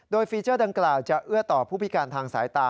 โดยฟีเจอร์ดังกล่าวจะเอื้อต่อผู้พิการทางสายตา